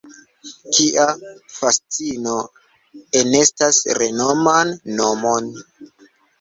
Kia fascino enestas renoman nomon!